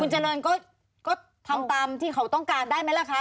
เจริญก็ทำตามที่เขาต้องการได้ไหมล่ะคะ